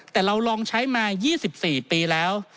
แต่เราลองใช้มา๒๔ปีแล้ว